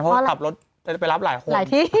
เพราะว่าขับรถจะไปรับหลายคน